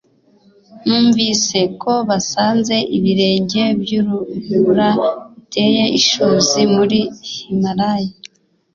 numvise ko basanze ibirenge byurubura ruteye ishozi muri himalaya